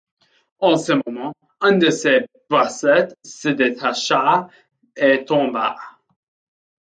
En ce moment, un de ses bracelets se détacha et tomba.